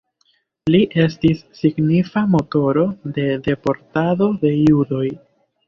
Li estis signifa motoro de deportado de judoj.